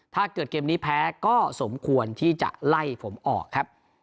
เกมนี้แพ้ก็สมควรที่จะไล่ผมออกครับ